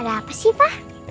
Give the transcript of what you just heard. ada apa sih pa